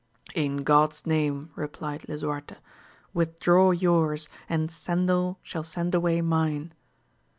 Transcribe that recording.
In God's name, replied Lisuarte, with draw yours, and Cendil shall send away mine.